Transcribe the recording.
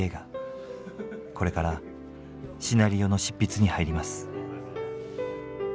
これからシナリオの執筆に入ります。